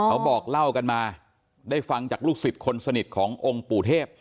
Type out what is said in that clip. เขาบอกเล่ากันมาได้ฟังจากลูกศิษย์คนสนิทขององค์ปู่เทพ